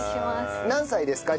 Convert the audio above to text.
何歳ですか？